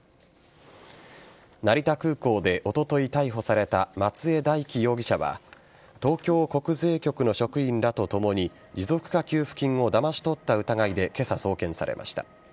成田空港でおととい逮捕された松江大樹容疑者は東京国税局の職員らとともに持続化給付金をだまし取った疑いで今朝、送検されました。